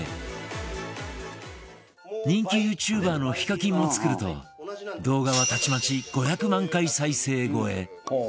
人気 ＹｏｕＴｕｂｅｒ の ＨＩＫＡＫＩＮ も作ると動画はたちまち５００万回再生超え